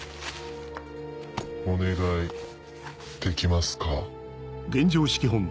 お願いできますか？